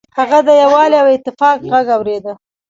هغه د یووالي او اتفاق غږ اوریده.